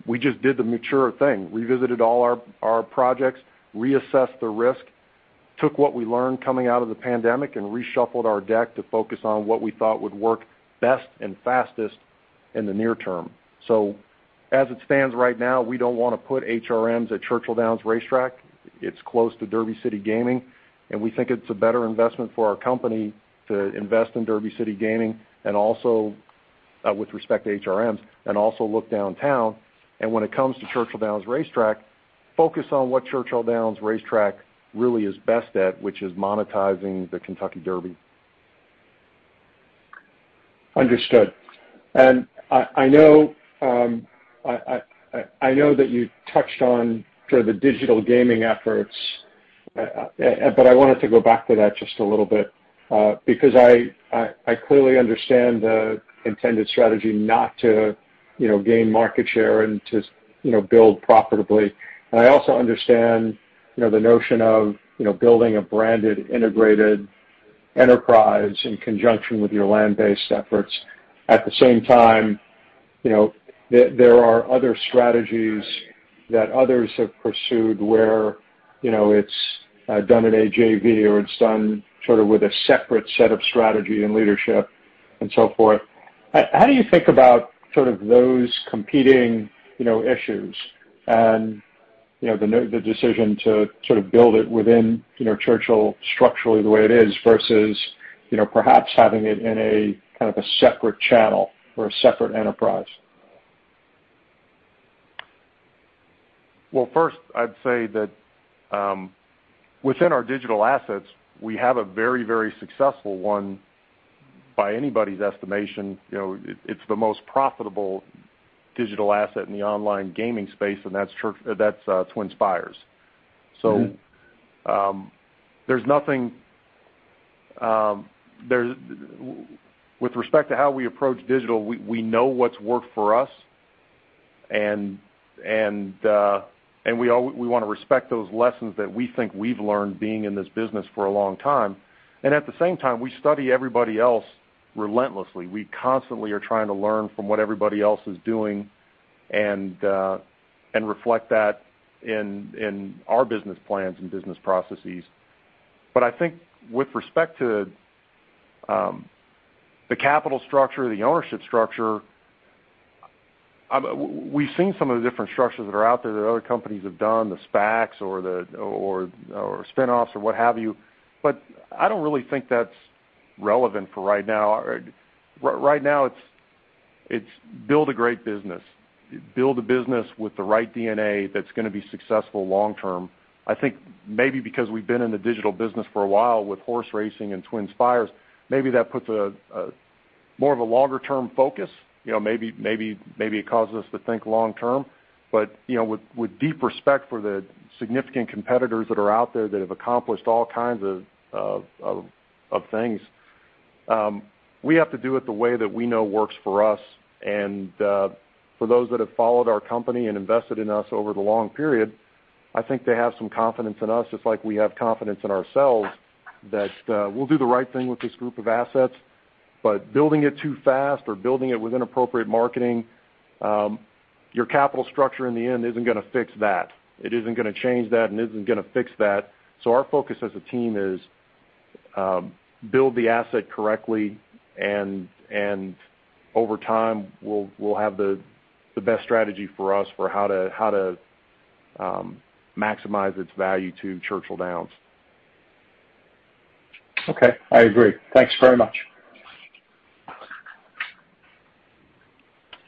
we just did the mature thing, revisited all our projects, reassessed the risk, took what we learned coming out of the pandemic, and reshuffled our deck to focus on what we thought would work best and fastest in the near term. As it stands right now, we don't want to put HRMs at Churchill Downs Racetrack. It's close to Derby City Gaming, and we think it's a better investment for our company to invest in Derby City Gaming, and also with respect to HRMs, and also look downtown. When it comes to Churchill Downs Racetrack, focus on what Churchill Downs Racetrack really is best at, which is monetizing the Kentucky Derby. Understood. I know that you touched on sort of the digital gaming efforts, but I wanted to go back to that just a little bit. I clearly understand the intended strategy not to gain market share and to build profitably. I also understand the notion of building a branded, integrated enterprise in conjunction with your land-based efforts. At the same time, there are other strategies that others have pursued where it's done at a JV or it's done sort of with a separate set of strategy and leadership and so forth. How do you think about those competing issues and the decision to sort of build it within Churchill structurally the way it is versus perhaps having it in a kind of a separate channel or a separate enterprise? Well, first, I'd say that within our digital assets, we have a very successful one by anybody's estimation. It's the most profitable digital asset in the online gaming space, and that's TwinSpires. With respect to how we approach digital, we know what's worked for us, and we want to respect those lessons that we think we've learned being in this business for a long time. At the same time, we study everybody else relentlessly. We constantly are trying to learn from what everybody else is doing and reflect that in our business plans and business processes. I think with respect to the capital structure, the ownership structure, we've seen some of the different structures that are out there that other companies have done, the SPACs or spinoffs or what have you, but I don't really think that's relevant for right now. Right now, it's build a great business. Build a business with the right DNA that's going to be successful long term. I think maybe because we've been in the digital business for a while with horse racing and TwinSpires, maybe that puts more of a longer-term focus. Maybe it causes us to think long term. With deep respect for the significant competitors that are out there that have accomplished all kinds of things, we have to do it the way that we know works for us. For those that have followed our company and invested in us over the long period, I think they have some confidence in us, just like we have confidence in ourselves, that we'll do the right thing with this group of assets. Building it too fast or building it with inappropriate marketing, your capital structure in the end isn't going to fix that. It isn't going to change that, and isn't going to fix that. Our focus as a team is build the asset correctly, and over time, we'll have the best strategy for us for how to maximize its value to Churchill Downs. Okay, I agree. Thanks very much.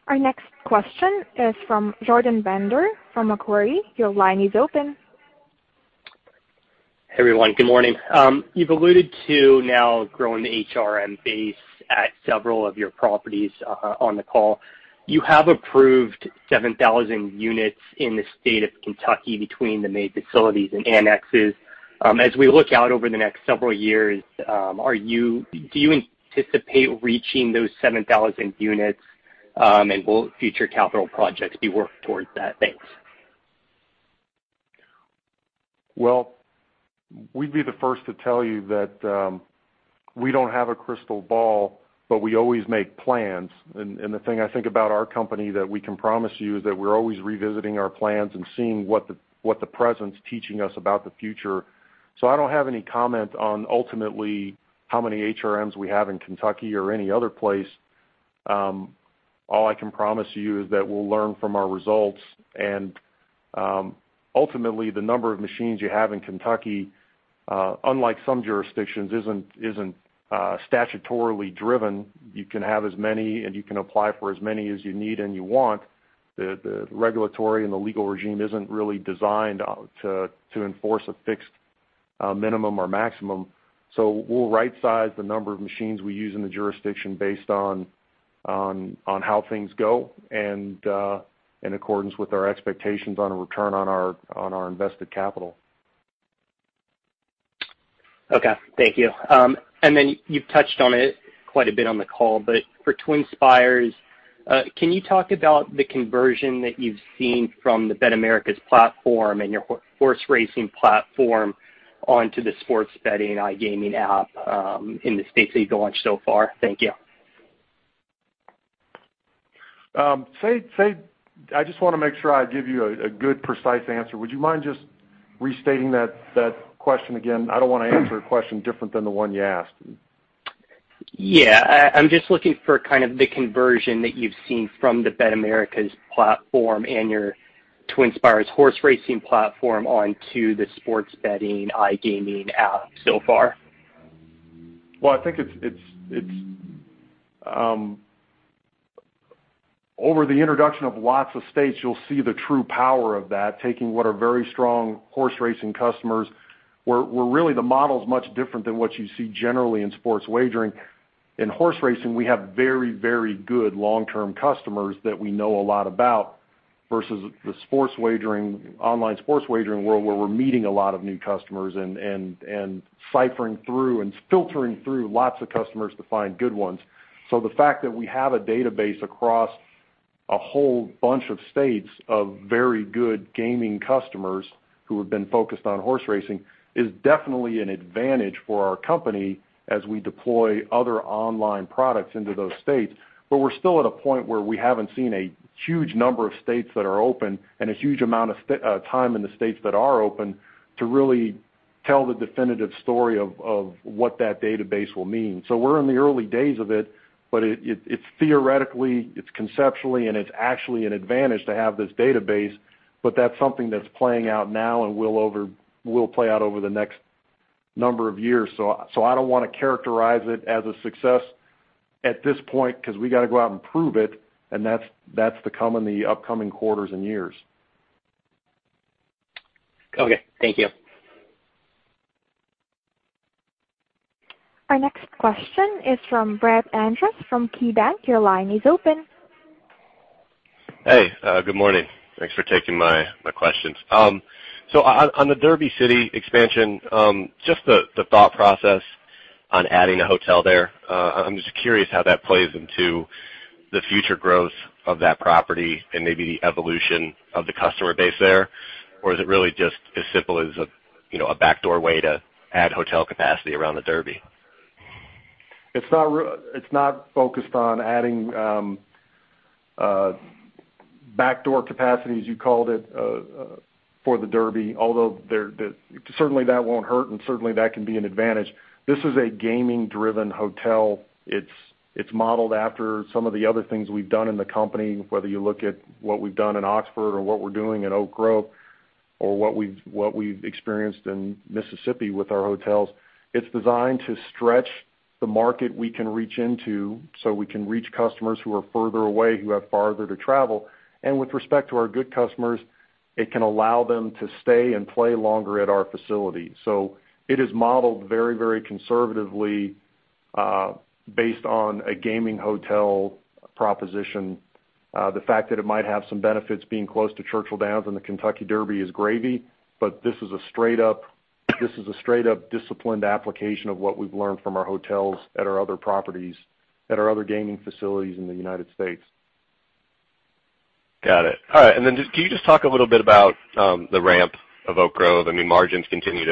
Our next question is from Jordan Bender from Macquarie. Your line is open. Hey, everyone. Good morning. You've alluded to now growing the HRM base at several of your properties on the call. You have approved 7,000 units in the state of Kentucky between the main facilities and annexes. As we look out over the next several years, do you anticipate reaching those 7,000 units, and will future capital projects be worked towards that? Thanks. We'd be the first to tell you that we don't have a crystal ball, but we always make plans. The thing I think about our company that we can promise you is that we're always revisiting our plans and seeing what the present's teaching us about the future. I don't have any comment on ultimately how many HRM we have in Kentucky or any other place. All I can promise you is that we'll learn from our results. Ultimately, the number of machines you have in Kentucky, unlike some jurisdictions, isn't statutorily driven. You can have as many and you can apply for as many as you need and you want. The regulatory and the legal regime isn't really designed to enforce a fixed a minimum or maximum. We'll right-size the number of machines we use in the jurisdiction based on how things go and in accordance with our expectations on a return on our invested capital. Okay, thank you. You've touched on it quite a bit on the call, but for TwinSpires, can you talk about the conversion that you've seen from the BetAmerica's platform and your horse racing platform onto the sports betting iGaming app in the states that you've launched so far? Thank you. I just want to make sure I give you a good, precise answer. Would you mind just restating that question again? I don't want to answer a question different than the one you asked. Yeah. I'm just looking for kind of the conversion that you've seen from the BetAmerica's platform and your TwinSpires horse racing platform onto the sports betting iGaming app so far. Well, I think over the introduction of lots of states, you'll see the true power of that, taking what are very strong horse racing customers, where really the model is much different than what you see generally in sports wagering. In horse racing, we have very good long-term customers that we know a lot about, versus the online sports wagering world, where we're meeting a lot of new customers and ciphering through and filtering through lots of customers to find good ones. The fact that we have a database across a whole bunch of states of very good gaming customers who have been focused on horse racing is definitely an advantage for our company as we deploy other online products into those states. We're still at a point where we haven't seen a huge number of states that are open and a huge amount of time in the states that are open to really tell the definitive story of what that database will mean. We're in the early days of it, but it's theoretically, it's conceptually, and it's actually an advantage to have this database. That's something that's playing out now and will play out over the next number of years. I don't want to characterize it as a success at this point because we got to go out and prove it, and that's to come in the upcoming quarters and years. Okay. Thank you. Our next question is from Brett Andress from KeyBanc. Your line is open. Hey, good morning. Thanks for taking my questions. On the Derby City expansion, just the thought process on adding a hotel there. I'm just curious how that plays into the future growth of that property and maybe the evolution of the customer base there. Is it really just as simple as a backdoor way to add hotel capacity around the Derby? It's not focused on adding backdoor capacity, as you called it, for the Derby, although certainly that won't hurt, and certainly that can be an advantage. This is a gaming-driven hotel. It's modeled after some of the other things we've done in the company, whether you look at what we've done in Oxford or what we're doing at Oak Grove or what we've experienced in Mississippi with our hotels. It's designed to stretch the market we can reach into, so we can reach customers who are further away, who have farther to travel. With respect to our good customers, it can allow them to stay and play longer at our facility. It is modeled very conservatively, based on a gaming hotel proposition. The fact that it might have some benefits being close to Churchill Downs and the Kentucky Derby is gravy, but this is a straight-up disciplined application of what we've learned from our hotels at our other properties, at our other gaming facilities in the United States. Got it. All right. Can you just talk a little bit about the ramp of Oak Grove? I mean, margins continue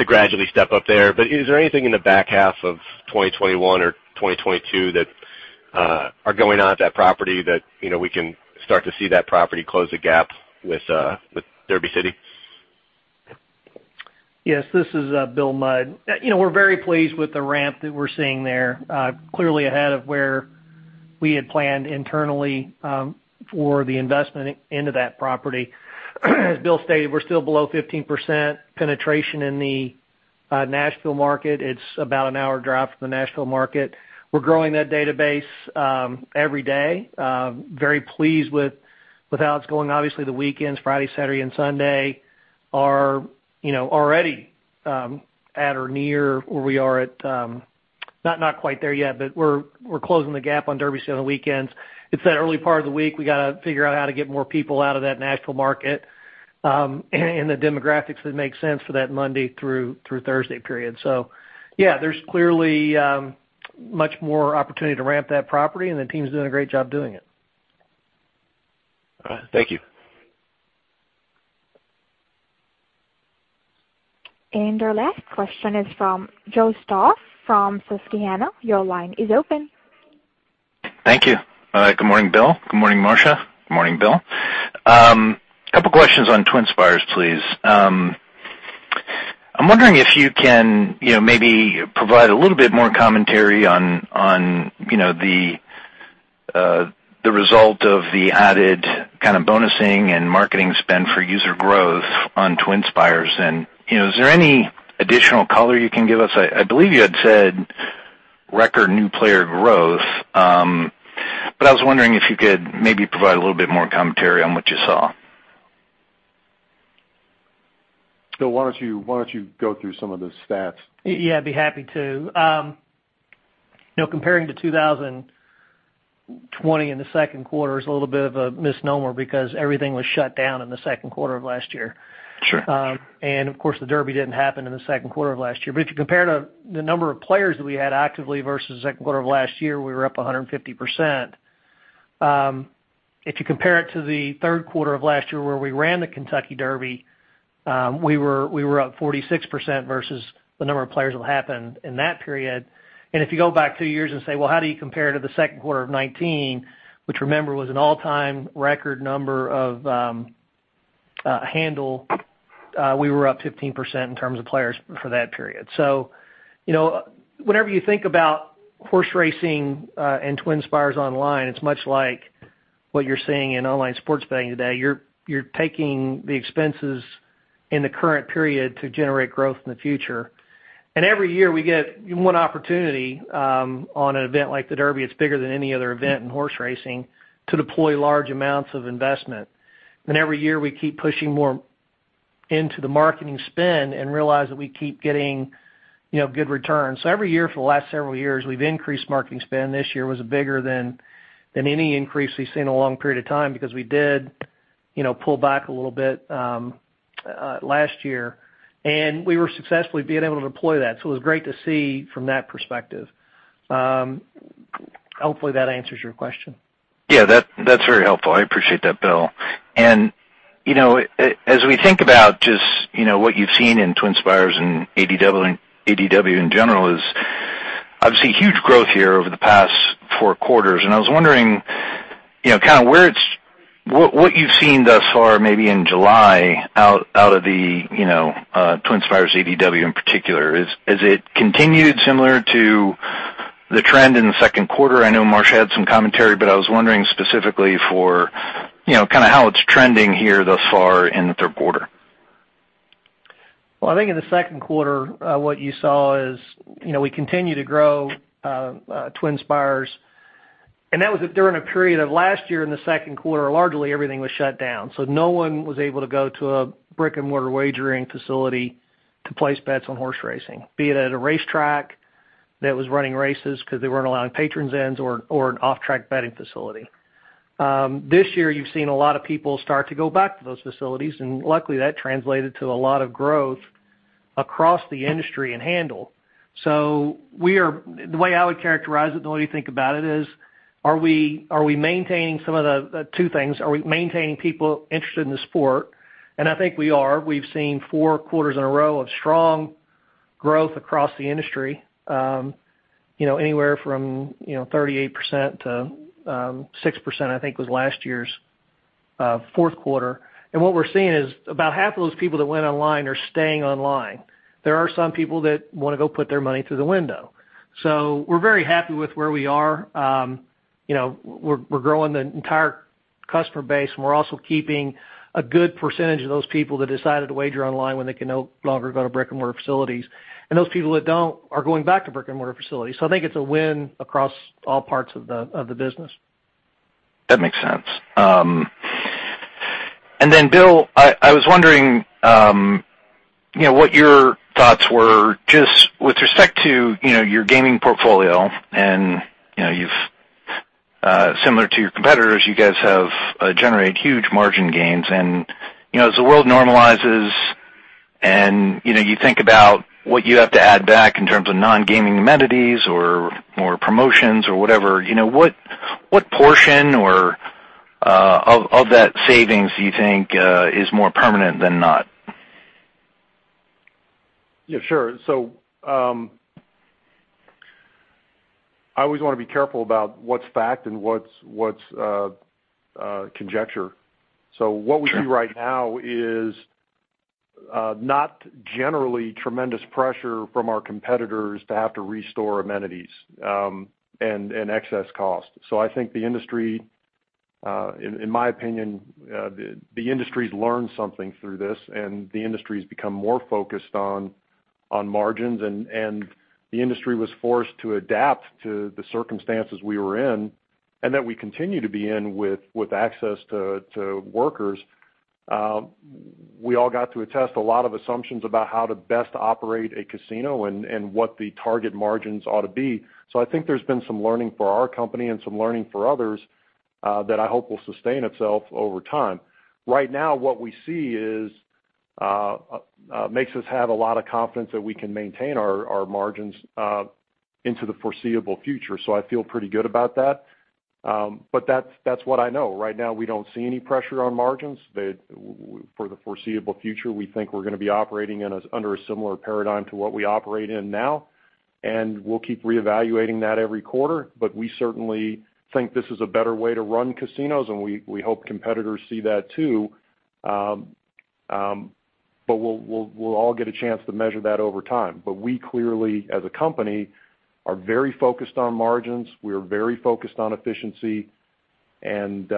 to gradually step up there, but is there anything in the back half of 2021 or 2022 that are going on at that property that we can start to see that property close the gap with Derby City? Yes, this is Bill Mudd. We're very pleased with the ramp that we're seeing there. Clearly ahead of where we had planned internally for the investment into that property. As Bill stated, we're still below 15% penetration in the Nashville market. It's about an hour drive from the Nashville market. We're growing that database every day. Very pleased with how it's going. Obviously, the weekends, Friday, Saturday, and Sunday are already at or near where we are, not quite there yet, but we're closing the gap on Derby City on the weekends. It's that early part of the week, we got to figure out how to get more people out of that Nashville market and the demographics that make sense for that Monday through Thursday period. Yeah, there's clearly much more opportunity to ramp that property and the team's doing a great job doing it. All right. Thank you. Our last question is from Joseph Stauff from Susquehanna. Your line is open. Thank you. Good morning, Bill. Good morning, Marcia. Good morning, Bill. Couple questions on TwinSpires, please. I'm wondering if you can maybe provide a little bit more commentary on the result of the added kind of bonusing and marketing spend for user growth on TwinSpires and is there any additional color you can give us? I believe you had said record new player growth. I was wondering if you could maybe provide a little bit more commentary on what you saw. Bill, why don't you go through some of the stats? Yeah, I'd be happy to. Comparing to 2020 in the second quarter is a little bit of a misnomer because everything was shut down in the second quarter of last year. Sure. Of course, the Derby didn't happen in the second quarter of last year. If you compare the number of players that we had actively versus the second quarter of last year, we were up 150%. If you compare it to the third quarter of last year where we ran the Kentucky Derby, we were up 46% versus the number of players that happened in that period. If you go back two years and say, "Well, how do you compare to the second quarter of 2019?" Which remember, was an all-time record number of handle, we were up 15% in terms of players for that period. Whenever you think about horse racing and TwinSpires online, it's much like what you're seeing in online sports betting today. You're taking the expenses in the current period to generate growth in the future. Every year we get one opportunity on an event like the Derby, it's bigger than any other event in horse racing, to deploy large amounts of investment. Every year we keep pushing more into the marketing spend and realize that we keep getting good returns. Every year for the last several years, we've increased marketing spend. This year was bigger than any increase we've seen in a long period of time because we did pull back a little bit last year, and we were successfully being able to deploy that. It was great to see from that perspective. Hopefully, that answers your question. Yeah. That's very helpful. I appreciate that, Bill. As we think about just what you've seen in TwinSpires and ADW in general is obviously huge growth here over the past four quarters, and I was wondering what you've seen thus far, maybe in July, out of the TwinSpires ADW in particular. Has it continued similar to the trend in the second quarter? I know Marcia had some commentary, but I was wondering specifically for how it's trending here thus far in the third quarter. I think in the second quarter, what you saw is we continue to grow TwinSpires, and that was during a period of last year in the second quarter, largely everything was shut down. No one was able to go to a brick-and-mortar wagering facility to place bets on horse racing, be it at a racetrack that was running races because they weren't allowing patrons in or an off-track betting facility. This year you've seen a lot of people start to go back to those facilities, and luckily, that translated to a lot of growth across the industry and handle. The way I would characterize it and the way we think about it is, two things. Are we maintaining people interested in the sport? I think we are. We've seen four quarters in a row of strong growth across the industry. Anywhere from 38%-6%, I think, was last year's fourth quarter. What we're seeing is about half of those people that went online are staying online. There are some people that want to go put their money through the window. We're very happy with where we are. We're growing the entire customer base, and we're also keeping a good percentage of those people that decided to wager online when they could no longer go to brick-and-mortar facilities. Those people that don't are going back to brick-and-mortar facilities. I think it's a win across all parts of the business. That makes sense. Bill, I was wondering what your thoughts were just with respect to your gaming portfolio and similar to your competitors, you guys have generated huge margin gains and as the world normalizes and you think about what you have to add back in terms of non-gaming amenities or promotions or whatever, what portion of that savings do you think is more permanent than not? Sure. I always want to be careful about what's fact and what's conjecture. What we see right now is not generally tremendous pressure from our competitors to have to restore amenities and excess cost. I think the industry, in my opinion, the industry's learned something through this, and the industry's become more focused on margins and the industry was forced to adapt to the circumstances we were in and that we continue to be in with access to workers. We all got to test a lot of assumptions about how to best operate a casino and what the target margins ought to be. I think there's been some learning for our company and some learning for others that I hope will sustain itself over time. Right now, what we see makes us have a lot of confidence that we can maintain our margins into the foreseeable future. I feel pretty good about that, but that's what I know. Right now, we don't see any pressure on margins. For the foreseeable future, we think we're going to be operating under a similar paradigm to what we operate in now, and we'll keep reevaluating that every quarter. We certainly think this is a better way to run casinos, and we hope competitors see that too. We'll all get a chance to measure that over time. We clearly, as a company, are very focused on margins. We are very focused on efficiency, and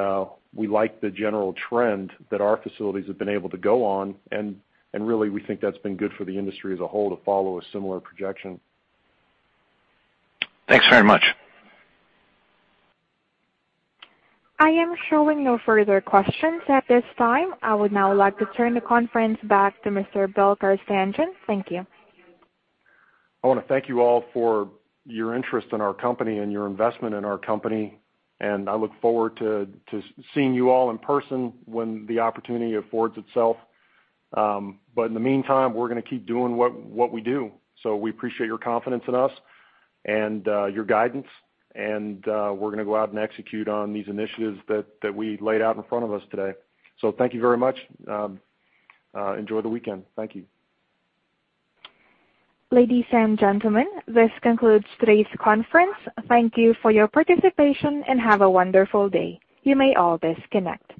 we like the general trend that our facilities have been able to go on, and really, we think that's been good for the industry as a whole to follow a similar projection. Thanks very much. I am showing no further questions at this time. I would now like to turn the conference back to Mr. Bill Carstanjen. Thank you. I want to thank you all for your interest in our company and your investment in our company. I look forward to seeing you all in person when the opportunity affords itself. In the meantime, we're going to keep doing what we do. We appreciate your confidence in us and your guidance. We're going to go out and execute on these initiatives that we laid out in front of us today. Thank you very much. Enjoy the weekend. Thank you. Ladies and gentlemen, this concludes today's conference. Thank you for your participation and have a wonderful day. You may all disconnect.